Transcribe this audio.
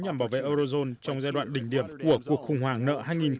nhằm bảo vệ eurozone trong giai đoạn đỉnh điểm của cuộc khủng hoảng nợ hai nghìn tám hai nghìn chín